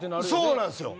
そうなんすよ！